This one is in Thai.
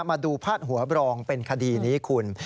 มาดูพาดหัวบรองเป็นคดีนี้คุณ